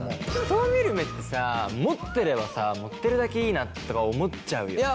人を見る目ってさ持ってればさ持ってるだけいいなとか思っちゃうよね。